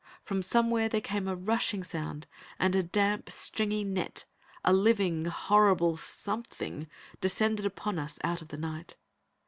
From somewhere there came a rushing sound, and a damp, stringy net, a living, horrible, something, descended upon us out of the night.